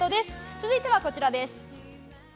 続いては、こちらです。